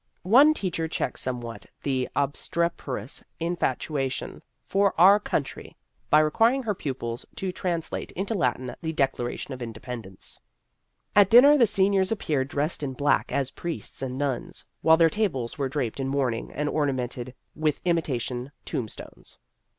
One teacher checked some what the obstreperous infatuation for our Country by requiring her pupils to trans late into Latin the Declaration of Inde pendence. At dinner the seniors appeared dressed in black as priests and nuns, while their tables were draped in mourning and ornamented with imitation tombstones.